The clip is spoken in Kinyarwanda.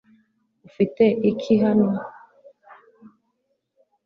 ufite iki hano